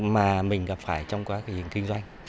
mà mình gặp phải trong quá trình kinh doanh